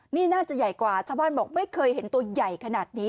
นี่น่าจะใหญ่กว่าชาวบ้านบอกไม่เคยเห็นตัวใหญ่ขนาดนี้